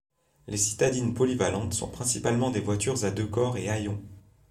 Les citadines polyvalentes sont principalement des voitures à deux corps et hayon.